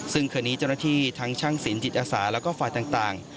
ซึ่งคืนนี้เจ้าหน้าที่ทั้งช่างสินจิตอาสาแล้วก็ฝ่ายต่าง